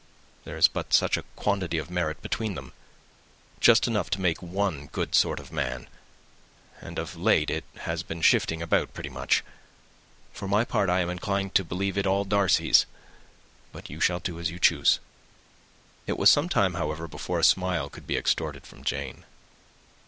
There is but such a quantity of merit between them; just enough to make one good sort of man; and of late it has been shifting about pretty much. For my part, I am inclined to believe it all Mr. Darcy's, but you shall do as you choose." It was some time, however, before a smile could be extorted from Jane.